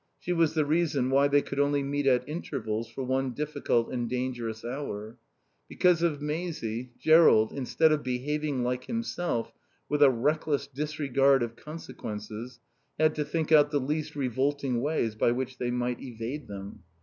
She was the reason why they could only meet at intervals for one difficult and dangerous hour. Because of Maisie, Jerrold, instead of behaving like himself with a reckless disregard of consequences, had to think out the least revolting ways by which they might evade them.